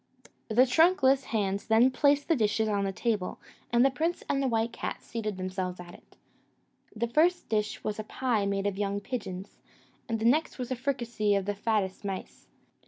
The trunkless hands then placed the dishes on the table, and the prince and white cat seated themselves at it. The first dish was a pie made of young pigeons, and the next was a fricassee of the fattest mice.